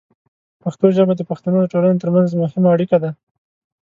پښتو ژبه د پښتنو د ټولنې ترمنځ مهمه اړیکه ده.